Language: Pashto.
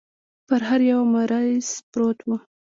پر هر يوه مريض پروت و.